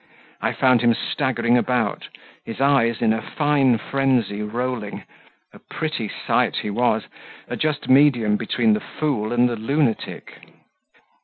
I found him staggering about, his eyes in a fine frenzy rolling a pretty sight he was, a just medium between the fool and the lunatic.